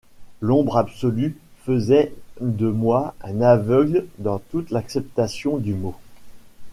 L’ombre absolue faisait de moi un aveugle dans toute l’acception du mot.